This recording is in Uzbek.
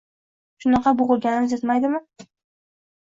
Shuncha boʻgʻilganimiz yetmaydimi?